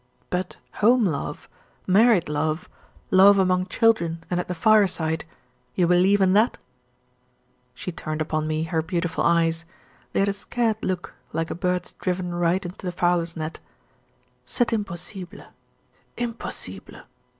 "But home love, married love, love among children and at the fire side; you believe in that?" She turned upon me her beautiful eyes; they had a scared look, like a bird's driven right into the fowler's net. "C'est impossible impossible!"